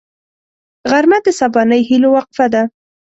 غرمه د سبانۍ هيلو وقفه ده